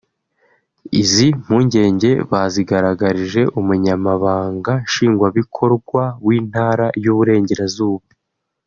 Izi mpungenge bazigaragarije Umunyamabanga Nshingwabikorwa w’Intara y’Uburengerazuba